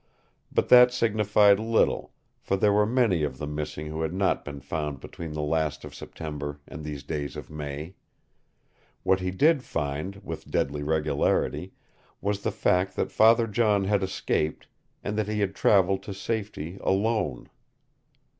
But that signified little, for there were many of the missing who had not been found between the last of September and these days of May. What he did find, with deadly regularity, was the fact that Father John had escaped and that he had traveled to safety ALONE.